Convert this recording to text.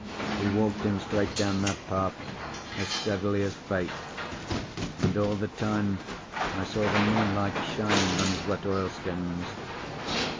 He walked him straight down that path, as steadily as Fate; and all the time I saw the moonlight shining on his wet oilskins.